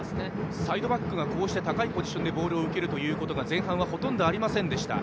サイドバックが高いポジションでボールを受けることが前半はほとんどありませんでした。